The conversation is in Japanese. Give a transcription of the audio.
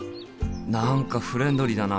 何かフレンドリーだな。